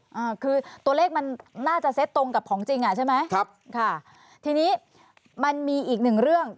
อ่าคือตัวเลขมันน่าจะเซ็ตตรงกับของจริงอ่ะใช่ไหมครับค่ะทีนี้มันมีอีกหนึ่งเรื่อง